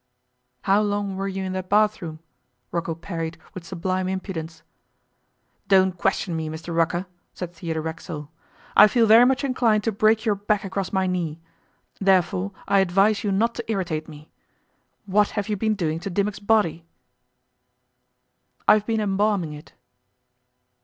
'How long were you in that bathroom?' Rocco parried with sublime impudence. 'Don't question me, Mr Rucker,' said Theodore Racksole. 'I feel very much inclined to break your back across my knee. Therefore I advise you not to irritate me. What have you been doing to Dimmock's body?' 'I've been embalming it.